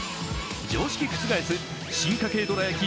常識覆す進化系どら焼き